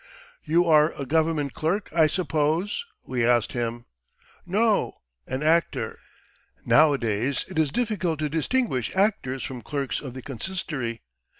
"You are a government clerk, I suppose?" we asked him. "No, an actor. Nowadays it is difficult to distinguish actors from clerks of the Consistory.